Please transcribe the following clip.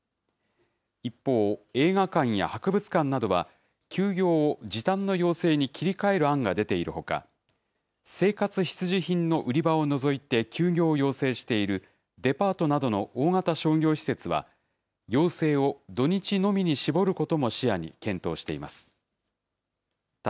一方、映画館や博物館などは、休業を時短の要請に切り替える案が出ているほか、生活必需品の売り場を除いて休業を要請しているデパートなどの大型商業施設は、要請を土日のみに絞ることも視野に検討しています。